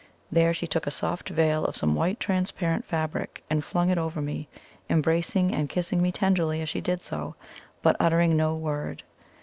There she took a soft veil of some white transparent fabric, and flung it over me, embracing and kissing me tenderly as she did so, but uttering no word.